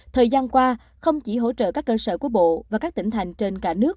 thời gian qua không chỉ hỗ trợ các cơ sở của bộ và các tỉnh thành trên cả nước